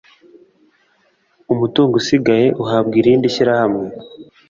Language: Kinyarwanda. umutungo usigaye uhabwa irindi shyirahamwe